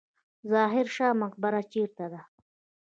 ظاهر شاه مقبره چیرته ده؟